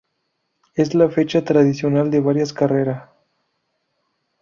Es la fecha tradicional de varias carrera.